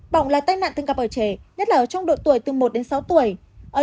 bỏng là tai nạn thường gặp ở trẻ nhất là ở trong độ tuổi từ một đến sáu tuổi